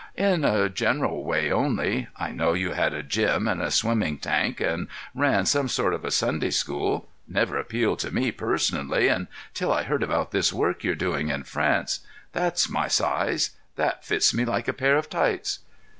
"In a general way only. I knew you had a gym and a swimming tank and ran some sort of a Sunday school. It never appealed to me, personally, until I heard about this work you're doing in France. That's my size. That fits me like a pair of tights."